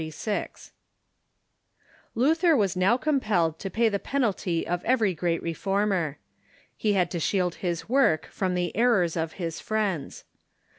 ] LuTiiER was now compelled to paj the penalt}^ of every great reformer. He had to shield his work from the errors of his „,.. friends.